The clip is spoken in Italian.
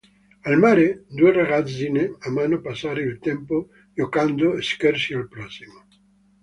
Al mare, due ragazzine amano passare il tempo giocando scherzi al prossimo.